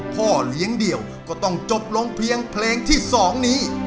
พ่อเลี้ยงเดี่ยวก็ต้องจบลงเพียงเพลงที่๒นี้